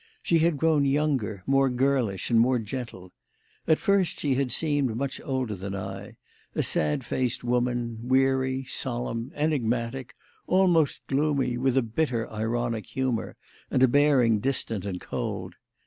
She had grown younger, more girlish, and more gentle. At first she had seemed much older than I; a sad faced woman, weary, solemn, enigmatic, almost gloomy, with a bitter, ironic humour and a bearing distant and cold.